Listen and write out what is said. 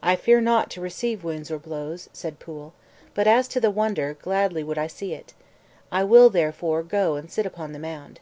"I fear not to receive wounds or blows," said Pwyll; "but as to the wonder, gladly would I see it. I will therefore go and sit upon the mound."